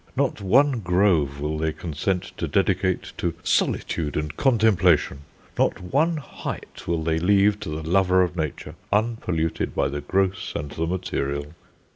Not one grove will they consent to dedicate to solitude and contemplation; not one height will they leave to the lover of nature unpolluted by the gross and the material."